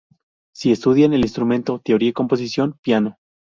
Si estudian el instrumento, teoría, composición, piano.